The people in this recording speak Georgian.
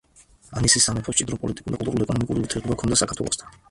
ანისის სამეფოს მჭიდრო პოლიტიკური და კულტურულ-ეკონომიკური ურთიერთობა ჰქონდა საქართველოსთან.